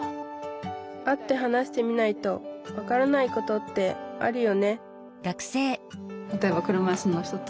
会って話してみないと分からないことってあるよね